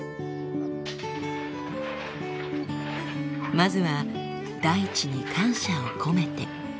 まずは大地に感謝を込めて。